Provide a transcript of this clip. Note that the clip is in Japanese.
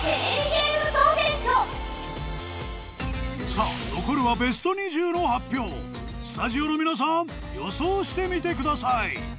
さあ、残るはベスト２０の発表スタジオの皆さん予想してみてください